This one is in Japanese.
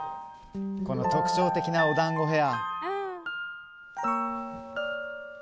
特徴的なお団子ヘア。